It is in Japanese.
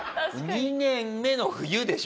２年目の冬でしょ？